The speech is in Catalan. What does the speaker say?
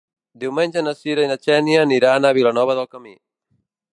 Diumenge na Cira i na Xènia aniran a Vilanova del Camí.